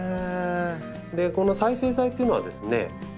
この再生材っていうのはですね